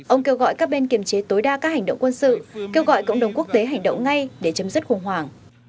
ông kêu gọi các bên kiềm chế tối đa các hành động quân sự kêu gọi cộng đồng quốc tế hành động ngay để chấm dứt khủng hoảng